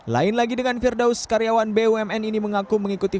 lain lagi dengan firdaus karyawan bumn ini mengaku mengikuti